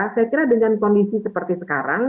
saya kira dengan kondisi seperti sekarang